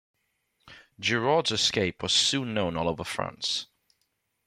Giraud's escape was soon known all over France.